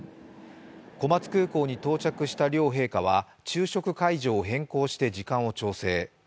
小松空港に到着した両陛下は昼食会場を変更して時間を調整。